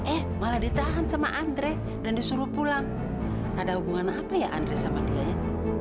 eh malah ditahan sama andre dan disuruh pulang ada hubungan apa ya andre sama dia ya